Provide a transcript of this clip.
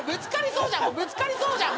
ぶつかりそうじゃん。